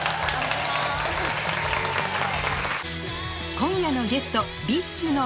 今夜のゲスト ＢｉＳＨ の